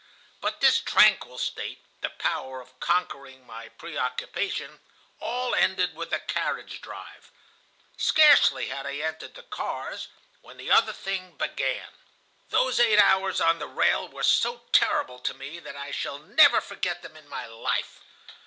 "But this tranquil state, the power of conquering my preoccupation, all ended with the carriage drive. Scarcely had I entered the cars, when the other thing began. Those eight hours on the rail were so terrible to me that I shall never forget them in my life.